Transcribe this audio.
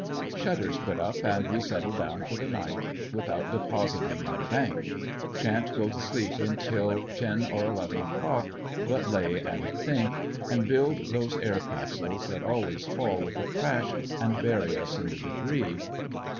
Shut ters put np and we settle down for the night without depositing in the bank. Shan't go to sleep until ten or eleven o'clock, but lay and think, and build those air castles that always fall with a crash and bury us in the debris.